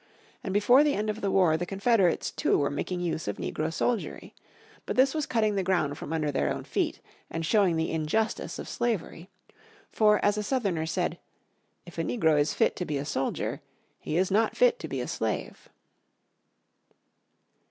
And before the end of the war the Confederates, too, were making use of Negro Soldiery. But this was cutting the ground from under their own feet, and showing the injustice of slavery. For as a Southerner said, "If a negro is fit to be a soldier he is not fit to be a slave."